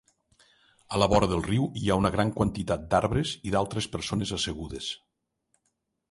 A la vora del riu hi ha una gran quantitat d'arbres i d'altres persones assegudes.